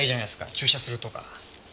注射するとか。